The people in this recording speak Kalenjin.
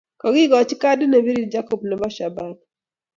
Kakikachi kadit ne pirir Jacob nebo shabana